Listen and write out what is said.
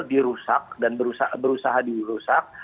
dirusak dan berusaha dirusak